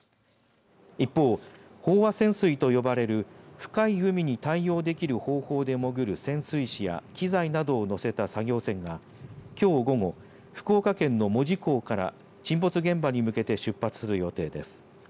一方、飽和潜水と呼ばれる深い海に対応できる方法で潜る潜水士や機材などを載せた作業船がきょう午後、福岡県の門司港から沈没現場に向けて出発する予定です。